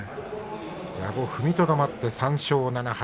矢後、踏みとどまって３勝７敗。